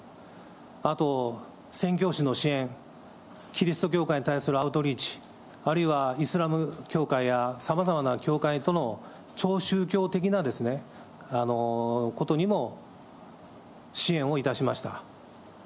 あと宣教師の支援、キリスト教会に対するアウトリーチ、あるいはイスラム教会やさまざまな教会との超宗教的なことにも、支援をいたしました。